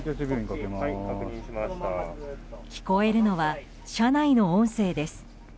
聞こえるのは車内の音声です。